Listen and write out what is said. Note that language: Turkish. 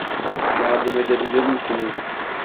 Yardım edebilir misiniz?